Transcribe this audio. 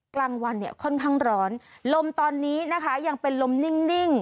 กลางวันเนี่ยค่อนข้างร้อนลมตอนนี้นะคะยังเป็นลมนิ่ง